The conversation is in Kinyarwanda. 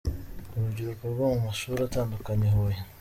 Urubyiruko rwo mu mashuri atandukanye i Huye.